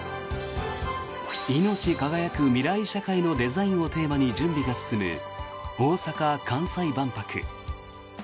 「いのち輝く未来社会のデザイン」をテーマに準備が進む大阪・関西万博。